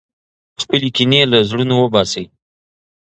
خپلې کینې له زړونو وباسئ.